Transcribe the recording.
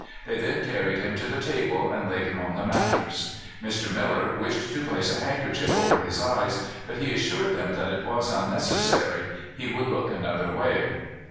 They then carried him to the table and laid him on the mattress. Mr. Miller wished to place a handkerchief over his eyes, but he assured him that it was unnecessary; he would look another way.